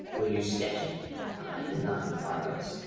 Will you sketch it?" "I am not an artist.